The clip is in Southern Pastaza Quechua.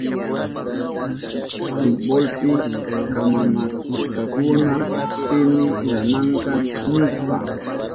Fultbolpi kamanakushkakuna pimi gananka nishpa.